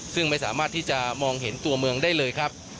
ซึ่งไม่สามารถที่จะมองเห็นตัวเมืองได้เลยครับ